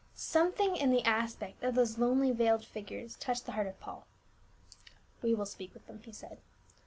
Something in the aspect of these lonely veiled figures touched the heart of Paul, " We will speak with them," he said.